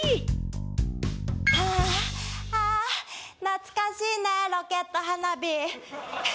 懐かしいねロケット花火。